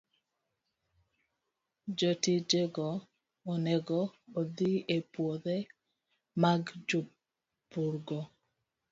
Jotijego onego odhi e puothe mag jopurgo